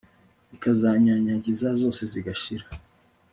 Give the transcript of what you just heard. ikazinyanyagizazose zigashira